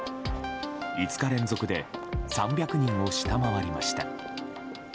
５日連続で３００人を下回りました。